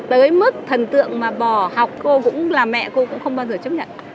tới mức thần tượng mà bò học cô cũng là mẹ cô cũng không bao giờ chấp nhận